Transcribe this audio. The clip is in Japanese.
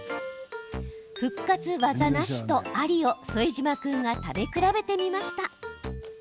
復活ワザなしとありを副島君が食べ比べてみました。